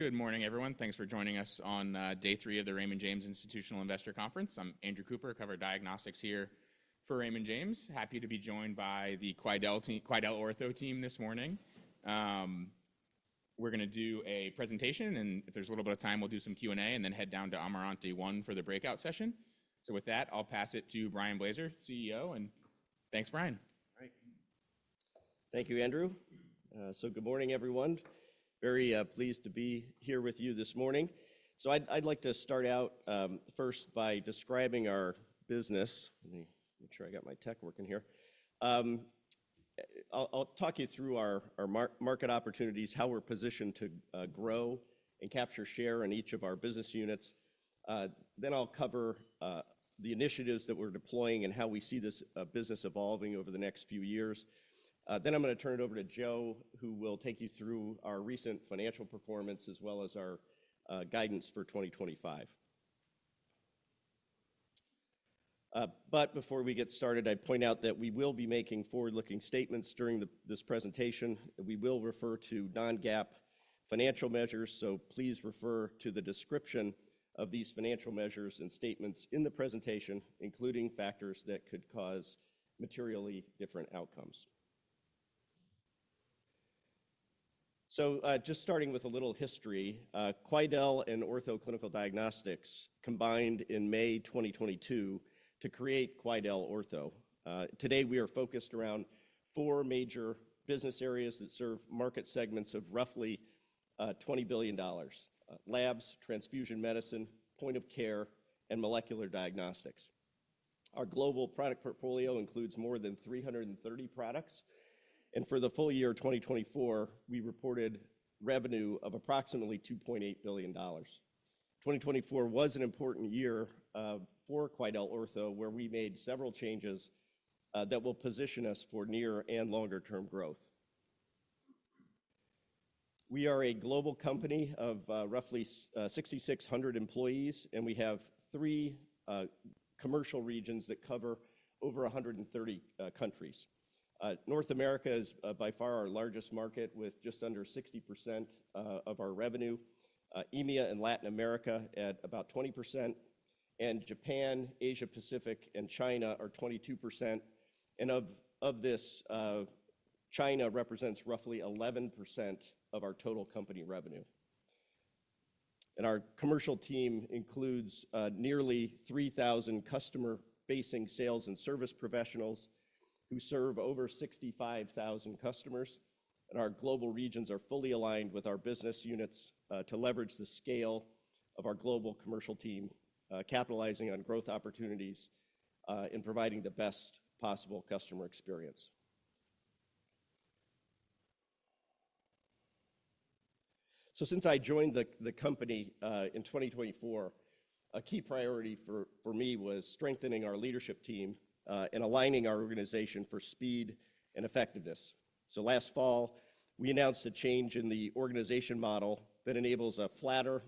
Good morning, everyone. Thanks for joining us on day three of the Raymond James Institutional Investor Conference. I'm Andrew Cooper, cover diagnostics here for Raymond James. Happy to be joined by the QuidelOrtho team this morning. We're going to do a presentation, and if there's a little bit of time, we'll do some Q&A and then head down to Amarante One for the breakout session. With that, I'll pass it to Brian Blaser, CEO. Thanks, Brian. Thank you, Andrew. Good morning, everyone. Very pleased to be here with you this morning. I would like to start out first by describing our business. Let me make sure I got my tech working here. I will talk you through our market opportunities, how we are positioned to grow and capture share in each of our business units. I will cover the initiatives that we are deploying and how we see this business evolving over the next few years. I am going to turn it over to Joe, who will take you through our recent financial performance as well as our guidance for 2025. Before we get started, I would point out that we will be making forward-looking statements during this presentation. We will refer to non-GAAP financial measures. Please refer to the description of these financial measures and statements in the presentation, including factors that could cause materially different outcomes. Just starting with a little history, Quidel and Ortho Clinical Diagnostics combined in May 2022 to create QuidelOrtho. Today, we are focused around four major business areas that serve market segments of roughly $20 billion: labs, transfusion medicine, point of care, and molecular diagnostics. Our global product portfolio includes more than 330 products. For the full year 2024, we reported revenue of approximately $2.8 billion. 2024 was an important year for QuidelOrtho, where we made several changes that will position us for near and longer-term growth. We are a global company of roughly 6,600 employees, and we have three commercial regions that cover over 130 countries. North America is by far our largest market, with just under 60% of our revenue. EMEA and Latin America at about 20%, and Japan, Asia-Pacific, and China are 22%. Of this, China represents roughly 11% of our total company revenue. Our commercial team includes nearly 3,000 customer-facing sales and service professionals who serve over 65,000 customers. Our global regions are fully aligned with our business units to leverage the scale of our global commercial team, capitalizing on growth opportunities and providing the best possible customer experience. Since I joined the company in 2024, a key priority for me was strengthening our leadership team and aligning our organization for speed and effectiveness. Last fall, we announced a change in the organization model that enables a flatter,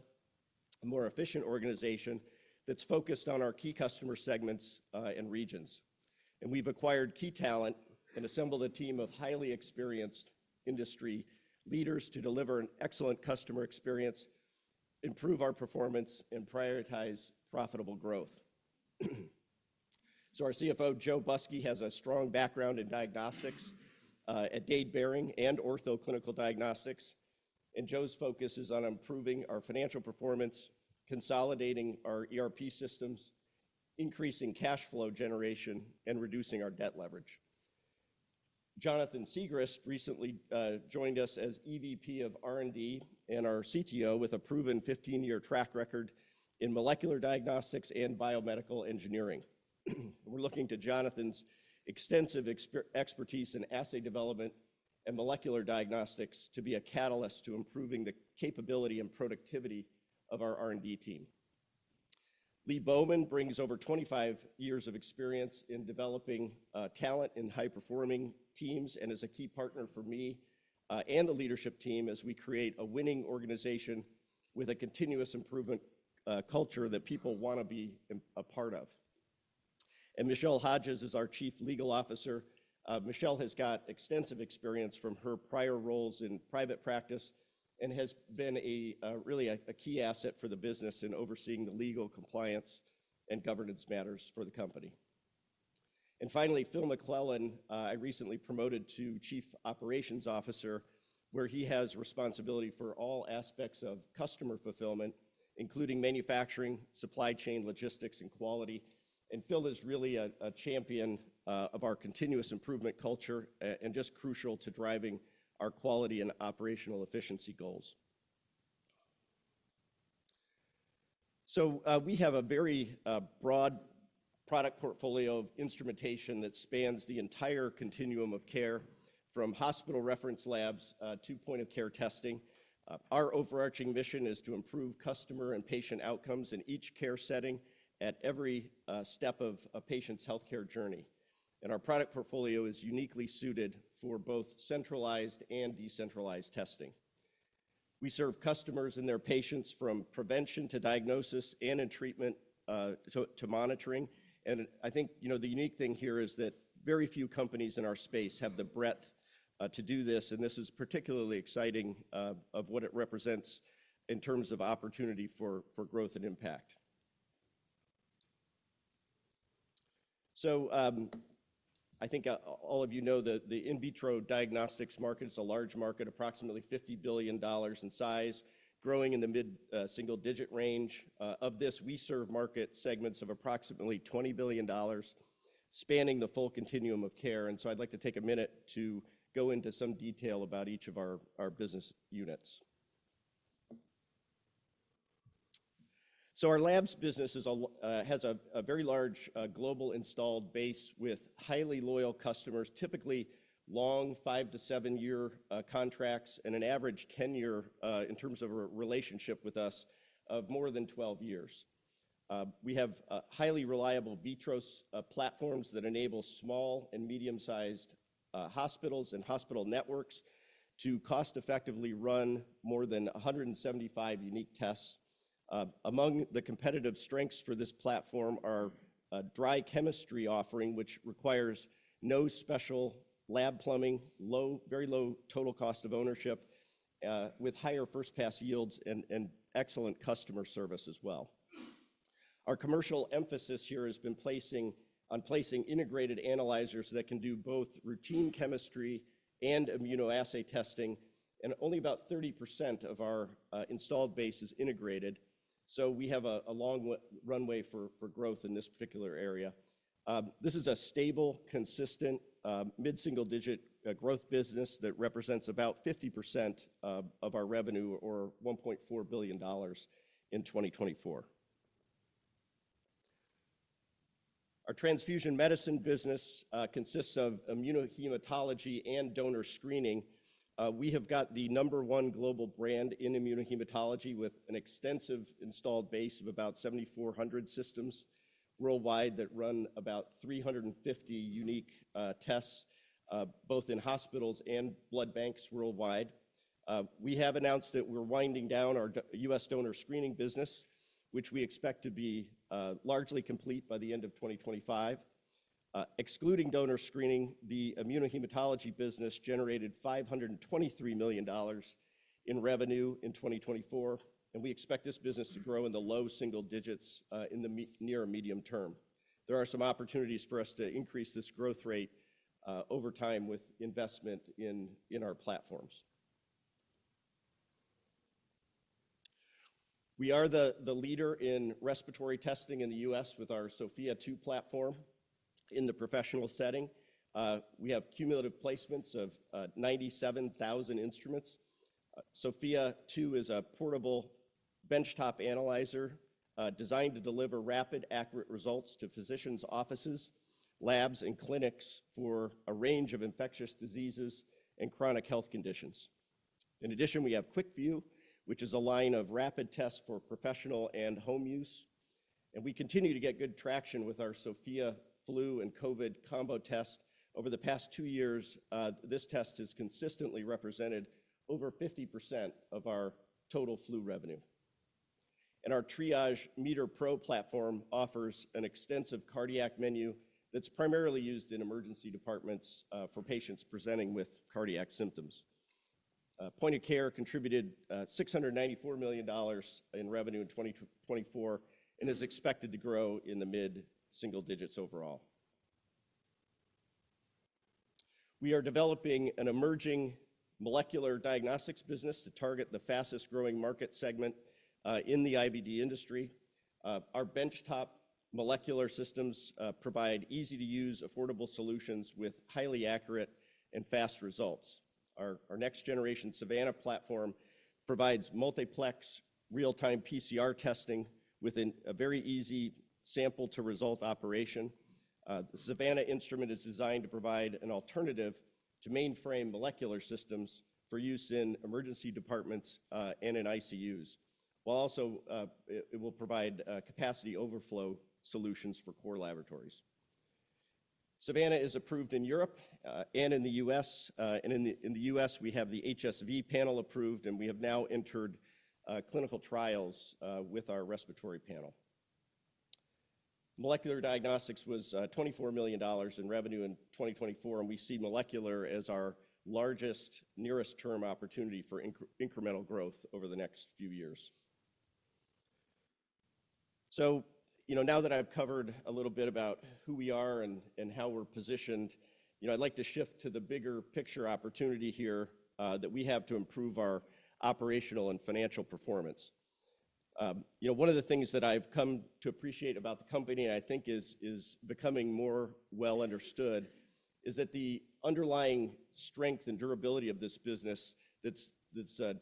more efficient organization that is focused on our key customer segments and regions. We have acquired key talent and assembled a team of highly experienced industry leaders to deliver an excellent customer experience, improve our performance, and prioritize profitable growth. Our CFO, Joe Busky, has a strong background in diagnostics at Dade Behring and Ortho Clinical Diagnostics. Joe's focus is on improving our financial performance, consolidating our ERP systems, increasing cash flow generation, and reducing our debt leverage. Jonathan Siegrist recently joined us as EVP of R&D and our CTO with a proven 15-year track record in molecular diagnostics and biomedical engineering. We are looking to Jonathan's extensive expertise in assay development and molecular diagnostics to be a catalyst to improving the capability and productivity of our R&D team. Lee Bowman brings over 25 years of experience in developing talent in high-performing teams and is a key partner for me and the leadership team as we create a winning organization with a continuous improvement culture that people want to be a part of. Michelle Hodges is our Chief Legal Officer. Michelle has got extensive experience from her prior roles in private practice and has been really a key asset for the business in overseeing the legal compliance and governance matters for the company. Finally, Phil McClellan, I recently promoted to Chief Operations Officer, where he has responsibility for all aspects of customer fulfillment, including manufacturing, supply chain, logistics, and quality. Phil is really a champion of our continuous improvement culture and just crucial to driving our quality and operational efficiency goals. We have a very broad product portfolio of instrumentation that spans the entire continuum of care from hospital reference labs to point of care testing. Our overarching mission is to improve customer and patient outcomes in each care setting at every step of a patient's healthcare journey. Our product portfolio is uniquely suited for both centralized and decentralized testing. We serve customers and their patients from prevention to diagnosis and in treatment to monitoring. I think the unique thing here is that very few companies in our space have the breadth to do this. This is particularly exciting for what it represents in terms of opportunity for growth and impact. I think all of you know that the in vitro diagnostics market is a large market, approximately $50 billion in size, growing in the mid-single-digit range. Of this, we serve market segments of approximately $20 billion spanning the full continuum of care. I would like to take a minute to go into some detail about each of our business units. Our Labs business has a very large global installed base with highly loyal customers, typically long five- to seven-year contracts and an average 10-year in terms of a relationship with us of more than 12 years. We have highly reliable VitroS platforms that enable small and medium-sized hospitals and hospital networks to cost-effectively run more than 175 unique tests. Among the competitive strengths for this platform are a dry chemistry offering, which requires no special lab plumbing, very low total cost of ownership, with higher first-pass yields and excellent customer service as well. Our commercial emphasis here has been on placing integrated analyzers that can do both routine chemistry and immunoassay testing. Only about 30% of our installed base is integrated. We have a long runway for growth in this particular area. This is a stable, consistent mid-single-digit growth business that represents about 50% of our revenue or $1.4 billion in 2024. Our transfusion medicine business consists of immunohematology and donor screening. We have got the number one global brand in immunohematology with an extensive installed base of about 7,400 systems worldwide that run about 350 unique tests, both in hospitals and blood banks worldwide. We have announced that we're winding down our U.S. donor screening business, which we expect to be largely complete by the end of 2025. Excluding donor screening, the immunohematology business generated $523 million in revenue in 2024. We expect this business to grow in the low single digits in the near medium term. There are some opportunities for us to increase this growth rate over time with investment in our platforms. We are the leader in respiratory testing in the U.S. with our Sofia 2 platform in the professional setting. We have cumulative placements of 97,000 instruments. Sofia 2 is a portable benchtop analyzer designed to deliver rapid, accurate results to physicians' offices, labs, and clinics for a range of infectious diseases and chronic health conditions. In addition, we have QuickView, which is a line of rapid tests for professional and home use. We continue to get good traction with our Sofia flu and COVID combo test. Over the past two years, this test has consistently represented over 50% of our total flu revenue. Our TRIAGE METERPRO platform offers an extensive cardiac menu that's primarily used in emergency departments for patients presenting with cardiac symptoms. Point of care contributed $694 million in revenue in 2024 and is expected to grow in the mid-single digits overall. We are developing an emerging molecular diagnostics business to target the fastest-growing market segment in the IVD industry. Our benchtop molecular systems provide easy-to-use, affordable solutions with highly accurate and fast results. Our next-generation Savanna platform provides multiplex real-time PCR testing with a very easy sample-to-result operation. The Savanna instrument is designed to provide an alternative to mainframe molecular systems for use in emergency departments and in ICUs, while also it will provide capacity overflow solutions for core laboratories. Savanna is approved in Europe and in the U.S. In the U.S., we have the HSV panel approved, and we have now entered clinical trials with our respiratory panel. Molecular diagnostics was $24 million in revenue in 2024, and we see molecular as our largest, nearest-term opportunity for incremental growth over the next few years. Now that I've covered a little bit about who we are and how we're positioned, I'd like to shift to the bigger picture opportunity here that we have to improve our operational and financial performance. One of the things that I've come to appreciate about the company, and I think is becoming more well understood, is the underlying strength and durability of this business that's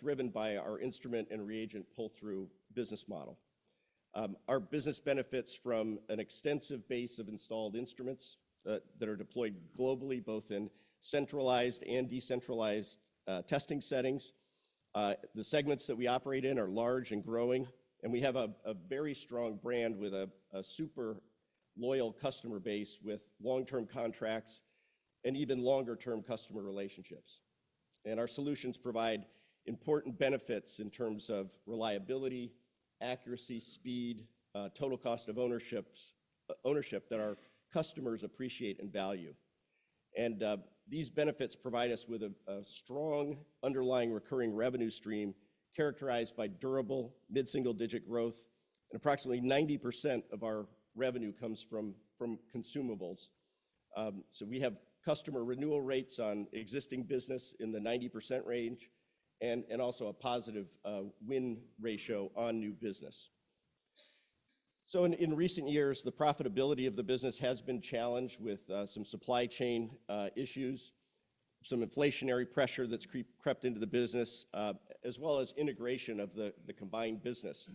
driven by our instrument and reagent pull-through business model. Our business benefits from an extensive base of installed instruments that are deployed globally, both in centralized and decentralized testing settings. The segments that we operate in are large and growing, and we have a very strong brand with a super loyal customer base with long-term contracts and even longer-term customer relationships. Our solutions provide important benefits in terms of reliability, accuracy, speed, total cost of ownership that our customers appreciate and value. These benefits provide us with a strong underlying recurring revenue stream characterized by durable mid-single-digit growth. Approximately 90% of our revenue comes from consumables. We have customer renewal rates on existing business in the 90% range and also a positive win ratio on new business. In recent years, the profitability of the business has been challenged with some supply chain issues, some inflationary pressure that's crept into the business, as well as integration of the combined business.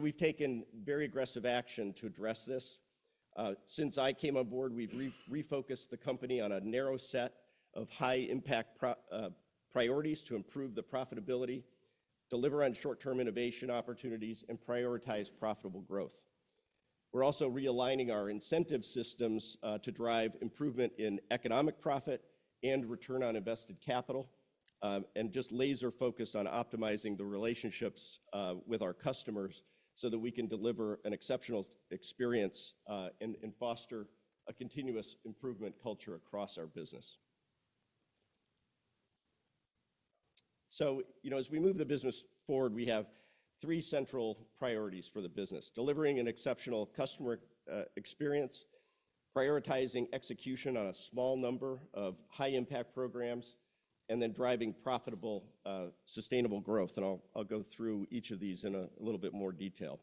We have taken very aggressive action to address this. Since I came on board, we've refocused the company on a narrow set of high-impact priorities to improve the profitability, deliver on short-term innovation opportunities, and prioritize profitable growth. We're also realigning our incentive systems to drive improvement in economic profit and return on invested capital and just laser-focused on optimizing the relationships with our customers so that we can deliver an exceptional experience and foster a continuous improvement culture across our business. As we move the business forward, we have three central priorities for the business: delivering an exceptional customer experience, prioritizing execution on a small number of high-impact programs, and then driving profitable sustainable growth. I'll go through each of these in a little bit more detail.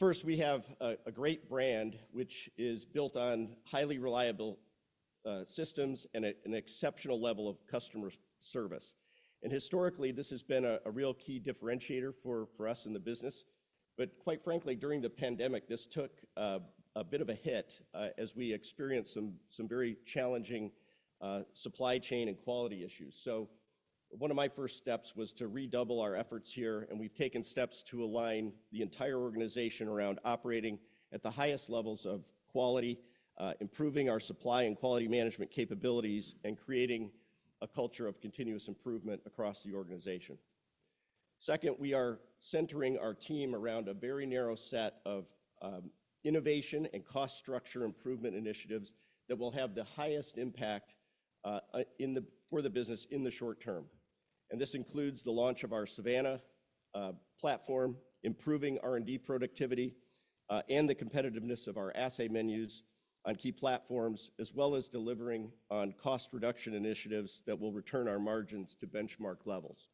First, we have a great brand, which is built on highly reliable systems and an exceptional level of customer service. Historically, this has been a real key differentiator for us in the business. Quite frankly, during the pandemic, this took a bit of a hit as we experienced some very challenging supply chain and quality issues. One of my first steps was to redouble our efforts here. We have taken steps to align the entire organization around operating at the highest levels of quality, improving our supply and quality management capabilities, and creating a culture of continuous improvement across the organization. Second, we are centering our team around a very narrow set of innovation and cost structure improvement initiatives that will have the highest impact for the business in the short term. This includes the launch of our Savanna platform, improving R&D productivity and the competitiveness of our assay menus on key platforms, as well as delivering on cost reduction initiatives that will return our margins to benchmark levels.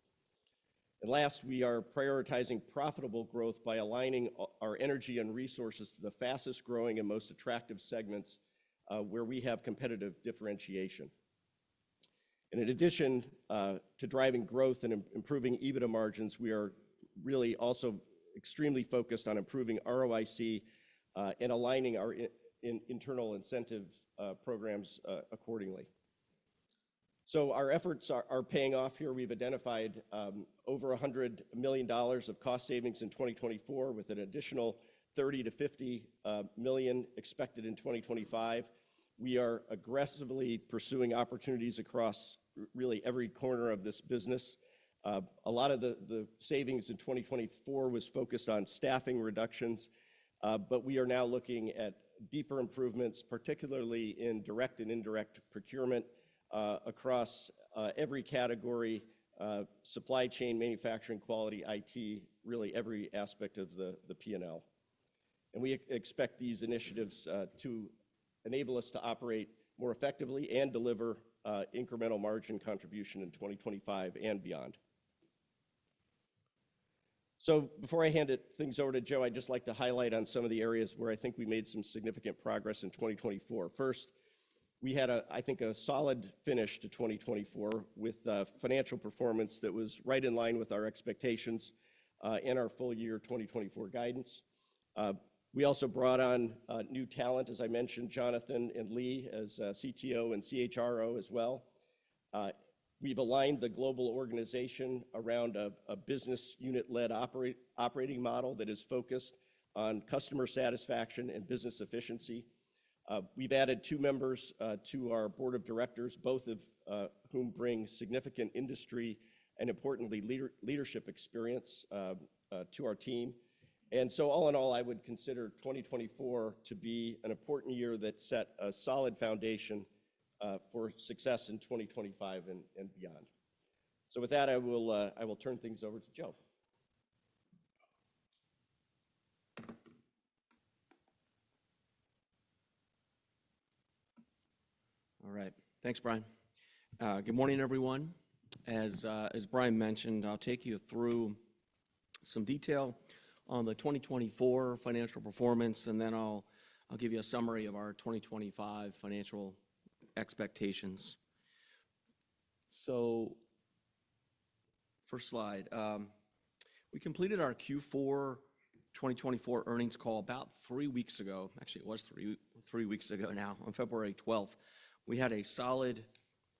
Last, we are prioritizing profitable growth by aligning our energy and resources to the fastest-growing and most attractive segments where we have competitive differentiation. In addition to driving growth and improving EBITDA margins, we are really also extremely focused on improving ROIC and aligning our internal incentive programs accordingly. Our efforts are paying off here. We have identified over $100 million of cost savings in 2024, with an additional $30-$50 million expected in 2025. We are aggressively pursuing opportunities across really every corner of this business. A lot of the savings in 2024 was focused on staffing reductions, but we are now looking at deeper improvements, particularly in direct and indirect procurement across every category: supply chain, manufacturing, quality, IT, really every aspect of the P&L. We expect these initiatives to enable us to operate more effectively and deliver incremental margin contribution in 2025 and beyond. Before I hand things over to Joe, I'd just like to highlight some of the areas where I think we made some significant progress in 2024. First, we had, I think, a solid finish to 2024 with financial performance that was right in line with our expectations in our full-year 2024 guidance. We also brought on new talent, as I mentioned, Jonathan and Lee as CTO and CHRO as well. We've aligned the global organization around a business unit-led operating model that is focused on customer satisfaction and business efficiency. We've added two members to our board of directors, both of whom bring significant industry and, importantly, leadership experience to our team. All in all, I would consider 2024 to be an important year that set a solid foundation for success in 2025 and beyond. With that, I will turn things over to Joe. All right. Thanks, Brian. Good morning, everyone. As Brian mentioned, I'll take you through some detail on the 2024 financial performance, and then I'll give you a summary of our 2025 financial expectations. First slide. We completed our Q4 2024 earnings call about three weeks ago. Actually, it was three weeks ago now, on February 12th. We had a solid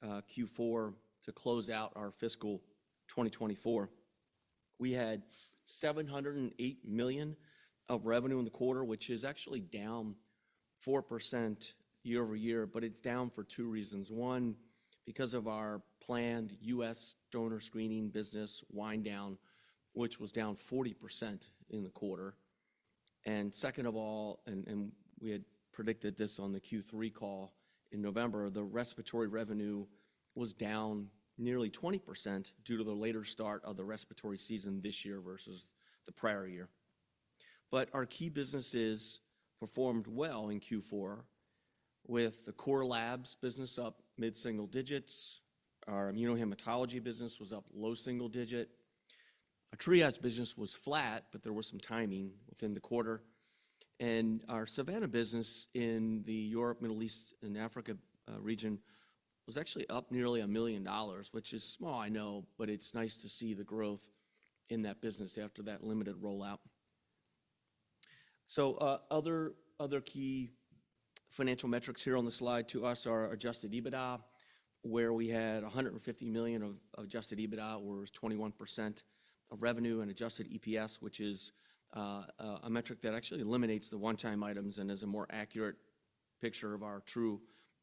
Q4 to close out our fiscal 2024. We had $708 million of revenue in the quarter, which is actually down 4% year over year, but it's down for two reasons. One, because of our planned U.S. donor screening business wind down, which was down 40% in the quarter. Second of all, and we had predicted this on the Q3 call in November, the respiratory revenue was down nearly 20% due to the later start of the respiratory season this year versus the prior year. Our key businesses performed well in Q4, with the core labs business up mid-single digits. Our immunohematology business was up low single digit. Our triage business was flat, but there was some timing within the quarter. Our Savanna business in the Europe, Middle East, and Africa region was actually up nearly $1 million, which is small, I know, but it's nice to see the growth in that business after that limited rollout. Other key financial metrics here on the slide to us are adjusted EBITDA, where we had $150 million of adjusted EBITDA, which was 21% of revenue, and adjusted EPS, which is a metric that actually eliminates the one-time items and is a more accurate picture of our true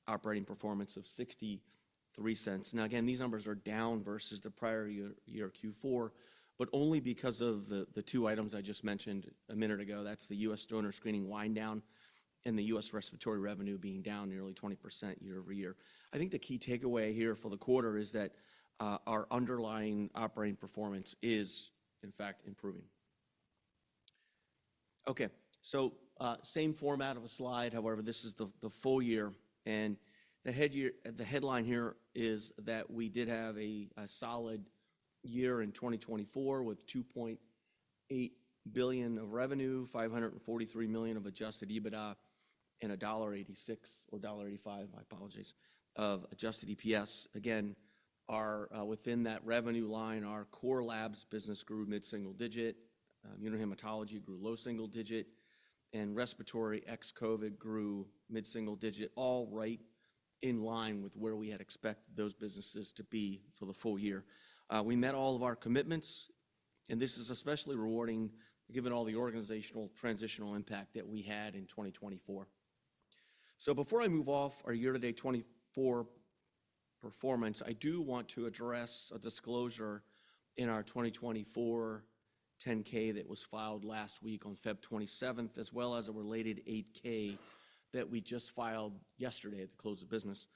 operating performance, of $0.63. Now, again, these numbers are down versus the prior year Q4, but only because of the two items I just mentioned a minute ago. That's the U.S. donor screening wind down and the U.S. respiratory revenue being down nearly 20% year over year. I think the key takeaway here for the quarter is that our underlying operating performance is, in fact, improving. Okay. Same format of a slide. However, this is the full year. The headline here is that we did have a solid year in 2024 with $2.8 billion of revenue, $543 million of adjusted EBITDA, and $1.86 or $1.85, my apologies, of adjusted EPS. Again, within that revenue line, our core labs business grew mid-single digit. Immunohematology grew low single digit. Respiratory ex-COVID grew mid-single digit, all right in line with where we had expected those businesses to be for the full year. We met all of our commitments, and this is especially rewarding given all the organizational transitional impact that we had in 2024. Before I move off our year-to-date 2024 performance, I do want to address a disclosure in our 2024 10-K that was filed last week on February 27th, as well as a related 8-K that we just filed yesterday at the close of business.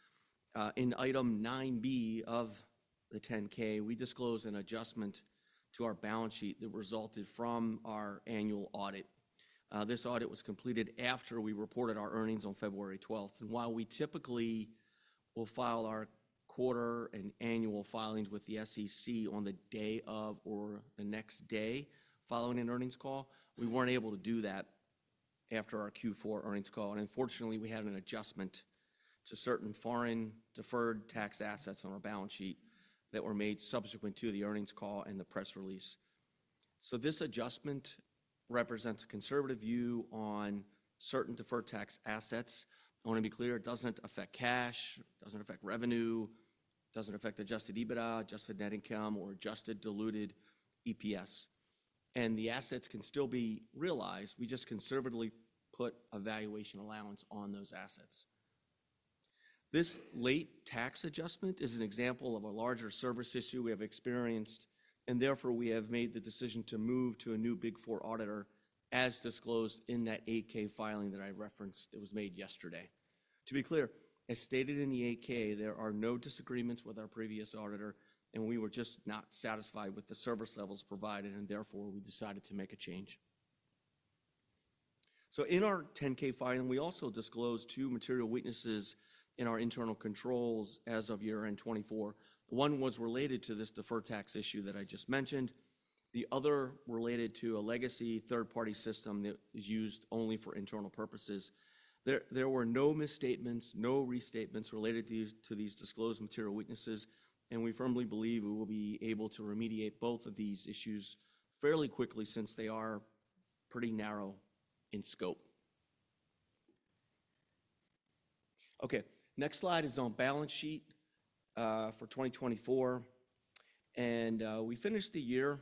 In item 9-B of the 10-K, we disclosed an adjustment to our balance sheet that resulted from our annual audit. This audit was completed after we reported our earnings on February 12th. While we typically will file our quarter and annual filings with the SEC on the day of or the next day following an earnings call, we were not able to do that after our Q4 earnings call. Unfortunately, we had an adjustment to certain foreign deferred tax assets on our balance sheet that were made subsequent to the earnings call and the press release. This adjustment represents a conservative view on certain deferred tax assets. I want to be clear. It does not affect cash, does not affect revenue, does not affect adjusted EBITDA, adjusted net income, or adjusted diluted EPS. The assets can still be realized. We just conservatively put a valuation allowance on those assets. This late tax adjustment is an example of a larger service issue we have experienced, and therefore we have made the decision to move to a new Big Four auditor as disclosed in that 8-K filing that I referenced that was made yesterday. To be clear, as stated in the 8-K, there are no disagreements with our previous auditor, and we were just not satisfied with the service levels provided, and therefore we decided to make a change. In our 10-K filing, we also disclosed two material weaknesses in our internal controls as of year-end 2024. One was related to this deferred tax issue that I just mentioned. The other related to a legacy third-party system that is used only for internal purposes. There were no misstatements, no restatements related to these disclosed material weaknesses, and we firmly believe we will be able to remediate both of these issues fairly quickly since they are pretty narrow in scope. Okay. Next slide is on balance sheet for 2024. We finished the year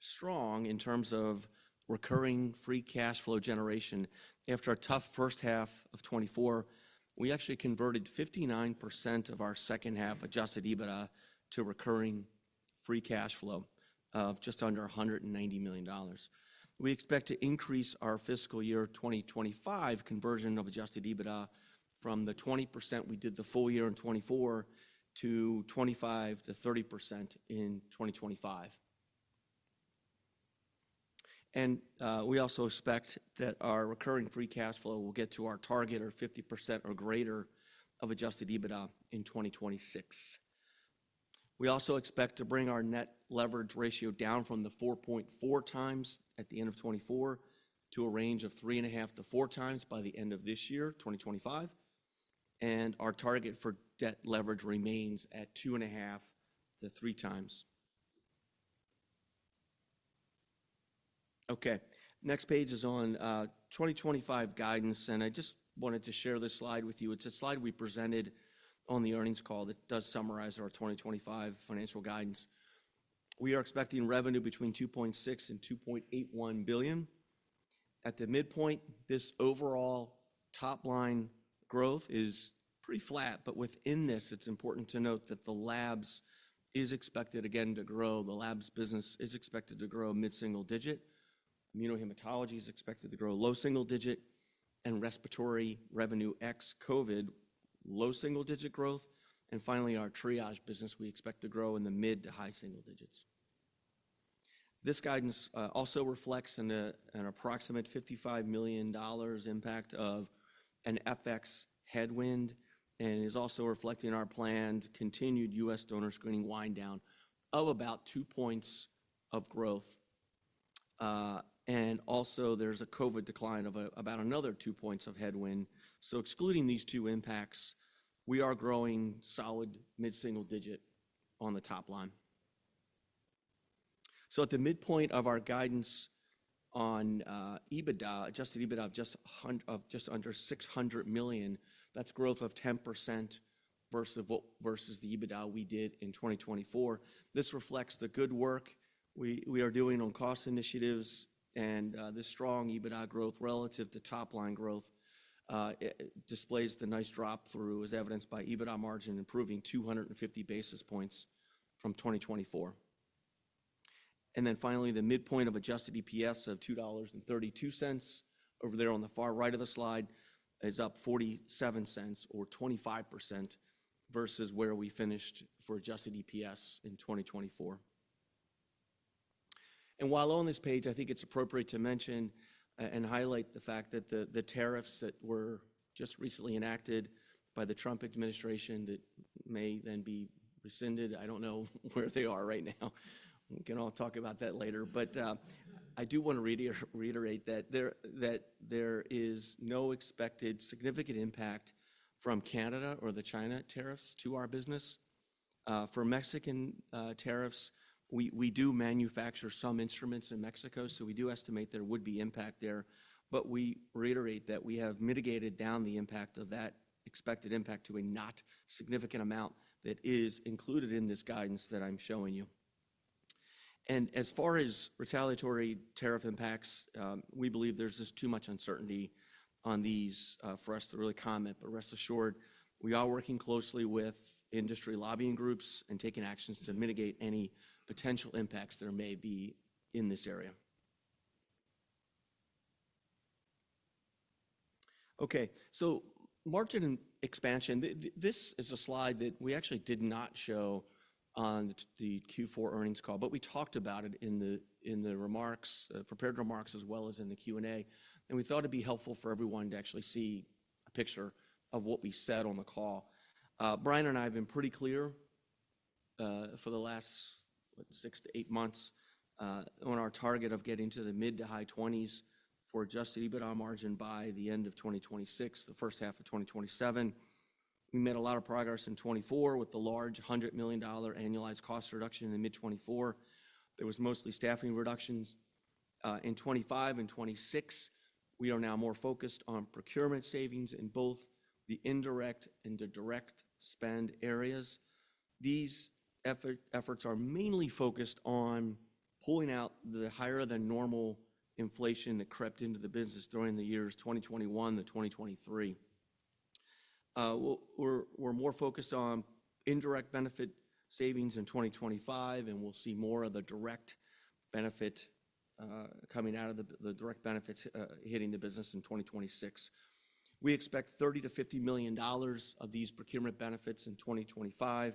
strong in terms of recurring free cash flow generation. After a tough first half of 2024, we actually converted 59% of our second-half adjusted EBITDA to recurring free cash flow of just under $190 million. We expect to increase our fiscal year 2025 conversion of adjusted EBITDA from the 20% we did the full year in 2024 to 25-30% in 2025. We also expect that our recurring free cash flow will get to our target of 50% or greater of adjusted EBITDA in 2026. We also expect to bring our net leverage ratio down from the 4.4 times at the end of 2024 to a range of three and a half to four times by the end of this year, 2025. Our target for debt leverage remains at two and a half to three times. Next page is on 2025 guidance, and I just wanted to share this slide with you. It is a slide we presented on the earnings call that does summarize our 2025 financial guidance. We are expecting revenue between $2.6 billion-$2.81 billion. At the midpoint, this overall top-line growth is pretty flat, but within this, it is important to note that the labs is expected, again, to grow. The Labs business is expected to grow mid-single digit. Immunohematology is expected to grow low single digit. Respiratory revenue ex-COVID, low single digit growth. Finally, our Triage business, we expect to grow in the mid to high single digits. This guidance also reflects an approximate $55 million impact of an FX headwind and is also reflecting our planned continued U.S. Donor Screening wind down of about two percentage points of growth. There is a COVID decline of about another two percentage points of headwind. Excluding these two impacts, we are growing solid mid-single digit on the top line. At the midpoint of our guidance on EBITDA, adjusted EBITDA of just under $600 million, that is growth of 10% versus the EBITDA we did in 2024. This reflects the good work we are doing on cost initiatives, and this strong EBITDA growth relative to top-line growth displays the nice drop-through as evidenced by EBITDA margin improving 250 basis points from 2024. Finally, the midpoint of adjusted EPS of $2.32 over there on the far right of the slide is up $0.47 or 25% versus where we finished for adjusted EPS in 2024. While on this page, I think it's appropriate to mention and highlight the fact that the tariffs that were just recently enacted by the Trump administration that may then be rescinded, I don't know where they are right now. We can all talk about that later. I do want to reiterate that there is no expected significant impact from Canada or the China tariffs to our business. For Mexican tariffs, we do manufacture some instruments in Mexico, so we do estimate there would be impact there. We reiterate that we have mitigated down the impact of that expected impact to a not significant amount that is included in this guidance that I'm showing you. As far as retaliatory tariff impacts, we believe there's just too much uncertainty on these for us to really comment. Rest assured, we are working closely with industry lobbying groups and taking actions to mitigate any potential impacts there may be in this area. Margin expansion, this is a slide that we actually did not show on the Q4 earnings call, but we talked about it in the remarks, prepared remarks, as well as in the Q&A. We thought it'd be helpful for everyone to actually see a picture of what we said on the call. Brian and I have been pretty clear for the last, what, six to eight months on our target of getting to the mid to high 20% for adjusted EBITDA margin by the end of 2026, the first half of 2027. We made a lot of progress in 2024 with the large $100 million annualized cost reduction in mid-2024. There was mostly staffing reductions. In 2025 and 2026, we are now more focused on procurement savings in both the indirect and the direct spend areas. These efforts are mainly focused on pulling out the higher-than-normal inflation that crept into the business during the years 2021 to 2023. We're more focused on indirect benefit savings in 2025, and we'll see more of the direct benefit coming out of the direct benefits hitting the business in 2026. We expect $30-$50 million of these procurement benefits in 2025, and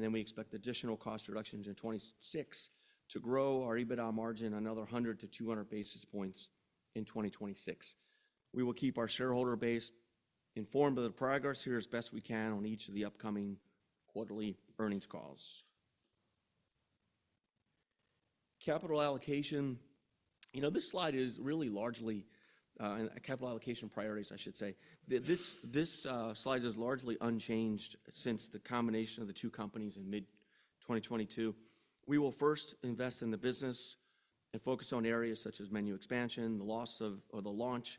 then we expect additional cost reductions in 2026 to grow our EBITDA margin another 100-200 basis points in 2026. We will keep our shareholder base informed of the progress here as best we can on each of the upcoming quarterly earnings calls. Capital allocation, you know, this slide is really largely capital allocation priorities, I should say. This slide is largely unchanged since the combination of the two companies in mid-2022. We will first invest in the business and focus on areas such as menu expansion, the launch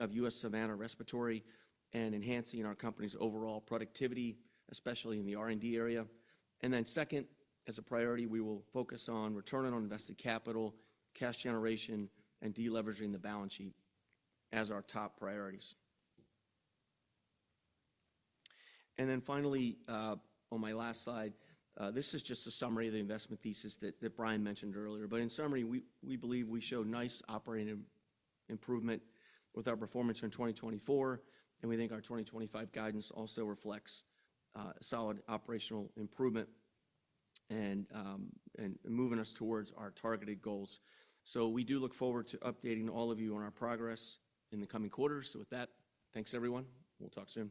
of U.S. Savanna respiratory, and enhancing our company's overall productivity, especially in the R&D area. Second, as a priority, we will focus on returning on invested capital, cash generation, and deleveraging the balance sheet as our top priorities. Finally, on my last slide, this is just a summary of the investment thesis that Brian mentioned earlier. In summary, we believe we showed nice operating improvement with our performance in 2024, and we think our 2025 guidance also reflects solid operational improvement and moving us towards our targeted goals. We do look forward to updating all of you on our progress in the coming quarters. With that, thanks, everyone. We'll talk soon.